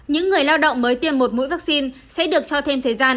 những người lao động mới tiêm một mũi vaccine sẽ được cho thêm thời gian